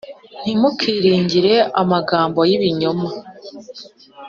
ntimukiringire amagambo y ibinyoma